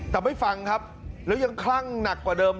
แต่ไม่ฟังครับแล้วยังคลั่งหนักกว่าเดิม